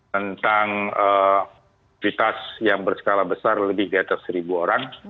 tentang kualitas yang berskala besar lebih dari seribu orang